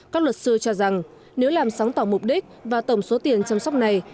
các luật sư cho rằng nếu làm sáng tỏ mục đích và tổng số tiền chăm sóc này